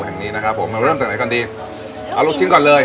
แห่งนี้นะครับผมมาเริ่มจากไหนก่อนดีเอาลูกชิ้นก่อนเลย